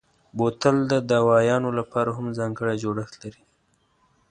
بوتل د دوایانو لپاره هم ځانګړی جوړښت لري.